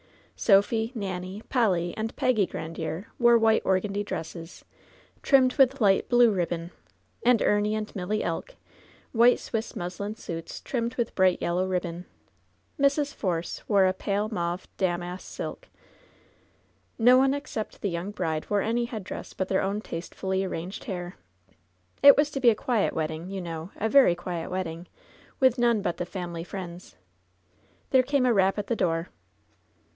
Sophy, Nanny, Polly and Peggy Grandiere wore white organdie dresses trimmed with li^t blue ribbon ; and Emy and Milly Elk, white swiss muslin suits trimmed with bright yellow ribbon. Mrs. Force wore a pale mauve damasse silk. No one except the yoimg bride wore any headdress but their own tastefully arranged hair. It was to be a quiet wedding, you know — a very quiet wedding, with none but the family friends. There came a rap at the door.